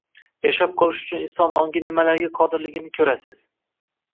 Yashab qolish uchun inson ongi nimalarga qodirligini koʻrasiz.